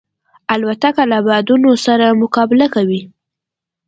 الوتکه له بادونو سره مقابله کوي.